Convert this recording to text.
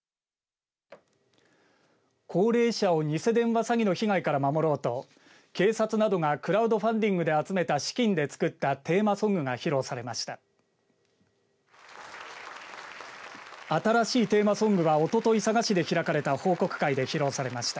高齢者をニセ電話詐欺の被害から守ろうと警察などがクラウドファンディングで集めた資金でつくったテーマソングが披露されました。